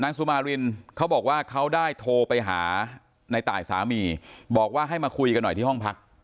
สุมารินเขาบอกว่าเขาได้โทรไปหาในตายสามีบอกว่าให้มาคุยกันหน่อยที่ห้องพัก